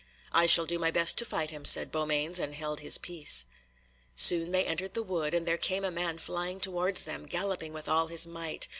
"I shall do my best to fight him," said Beaumains, and held his peace. Soon they entered the wood, and there came a man flying towards them, galloping with all his might.